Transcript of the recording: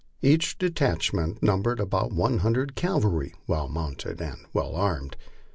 Each detachment numbered about one hundred cavalry well mounted and well armed.